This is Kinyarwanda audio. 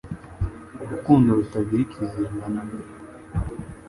urukundo rutagira ikizinga nambe